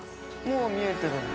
もう見えてるんだ。